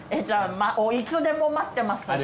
じゃあいつでも待ってます。